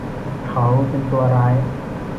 เขาเป็นตัวร้าย